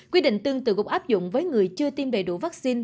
quy định tương tự cũng áp dụng với người chưa tiêm đầy đủ vaccine